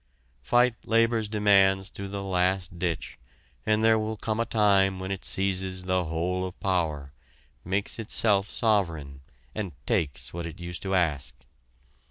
Fight labor's demands to the last ditch and there will come a time when it seizes the whole of power, makes itself sovereign, and takes what it used to ask.